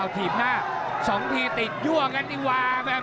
ฝ่ายดูบันไดด้วยช่วยกศัตรูโน้ท